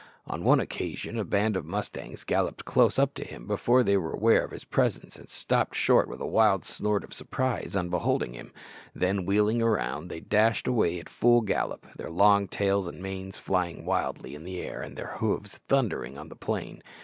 On one occasion a band of mustangs galloped close up to him before they were aware of his presence, and stopped short with a wild snort of surprise on beholding him; then, wheeling round, they dashed away at full gallop, their long tails and manes flying wildly in the air, and their hoofs thundering on the plain.